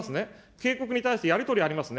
警告に対してやり取りありますね。